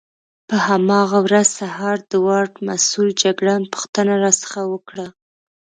په هماغه ورځ سهار د وارډ مسؤل جګړن پوښتنه راڅخه وکړه.